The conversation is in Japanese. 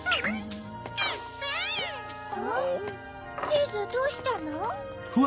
チーズどうしたの？